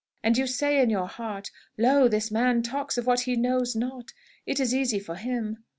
And you say in your heart, 'Lo, this man talks of what he knows not! It is easy for him!'